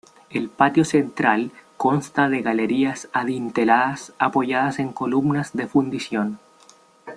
El patio central consta de galerías adinteladas apoyadas en columnas de fundición.